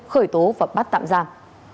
khởi tố và bắt tạm giam